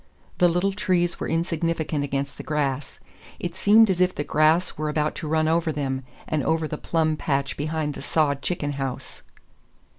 The little trees were insignificant against the grass. It seemed as if the grass were about to run over them, and over the plum patch behind the sod chicken house.